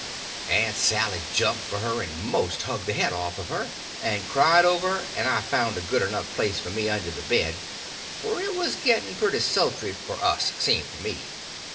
Aunt Sally jumped for her, and most hugged the head off of her, and cried over her, and I found a good enough place for me under the bed, for it was getting pretty sultry for us, seemed to me.